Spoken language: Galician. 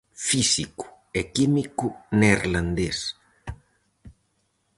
Físico e químico neerlandés.